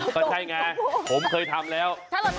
ก็ใช่ไงผมเคยทำแล้ว